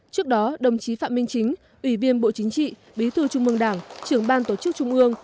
trước đó đồng chí phạm minh chính ủy viên bộ chính trị bí thư trung mương đảng trưởng ban tổ chức trung ương